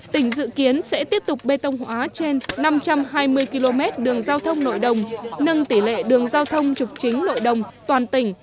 tỉnh dự kiến sẽ tiếp tục bê tông hóa trên năm trăm hai mươi km đường giao thông nội đồng nâng tỷ lệ đường giao thông trục chính nội đồng toàn tỉnh